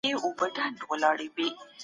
اقتصادي پلانونه د متخصصينو لخوا جوړ سوي دي.